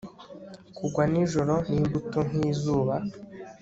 kugwa nijoro n'imbuto nk'izuba